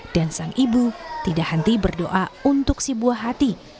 dan sang ibu tidak henti berdoa untuk si buah hati